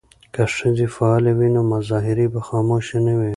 که ښځې فعالې وي نو مظاهرې به خاموشه نه وي.